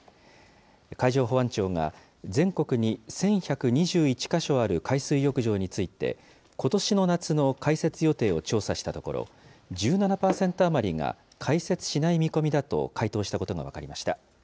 海上保安庁が、全国に１１２１か所ある海水浴場について、ことしの夏の開設予定を調査したところ、１７％余りが開設しない見込みだと回答したことが分かりました。